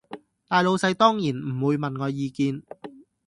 大老細當然唔會問我意見